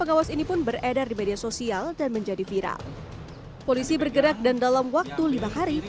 pengawas ini pun beredar di media sosial dan menjadi viral polisi bergerak dan dalam waktu lima hari